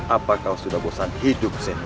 apakah sudah bosan hidup zen